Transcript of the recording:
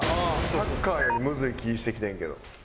サッカーよりむずい気してきてんけど。